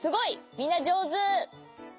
みんなじょうず。